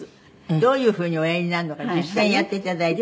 どういうふうにおやりになるのか実際にやって頂いて。